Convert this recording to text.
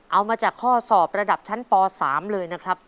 เอามาจากข้อสอบระดับชั้นป๓เลยนะครับ